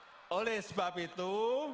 hai oleh sebab itu